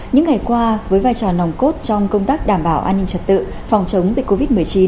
những ngày qua với vai trò nòng cốt trong công tác đảm bảo an ninh trật tự phòng chống dịch covid một mươi chín